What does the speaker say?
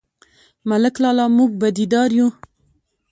_ملک لالا، موږ بدي دار يو؟